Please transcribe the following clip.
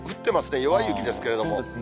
弱い雪ですけれども。